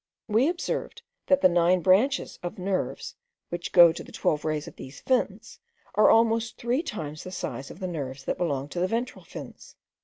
We observed, that the nine branches of nerves, which go to the twelve rays of these fins, are almost three times the size of the nerves that belong to the ventral fins.